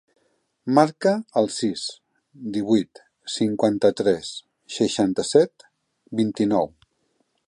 Marca el sis, divuit, cinquanta-tres, seixanta-set, vint-i-nou.